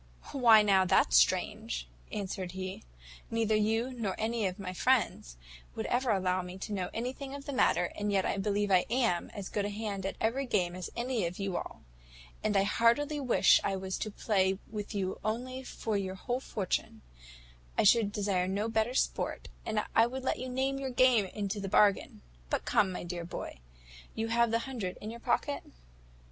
"`Why now, that's strange,' answered he; `neither you, nor any of my friends, would ever allow me to know anything of the matter, and yet I believe I am as good a hand at every game as any of you all; and I heartily wish I was to play with you only for your whole fortune: I should desire no better sport, and I would let you name your game into the bargain: but come, my dear boy, have you the hundred in your pocket?"